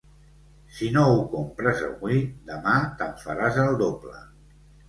Si no ho compres avui, demà te'n faràs el doble.